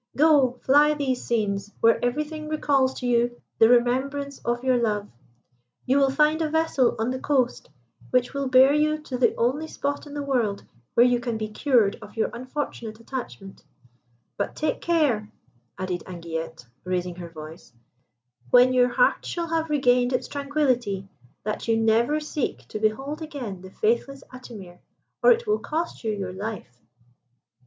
Go! Fly these scenes, where everything recalls to you the remembrance of your love. You will find a vessel on the coast, which will bear you to the only spot in the world where you can be cured of your unfortunate attachment; but take care," added Anguillette, raising her voice, "when your heart shall have regained its tranquillity, that you never seek to behold again the faithless Atimir, or it will cost you your life!"